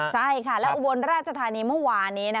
ใช่ค่ะและอุบลราชธานีเมื่อวานนี้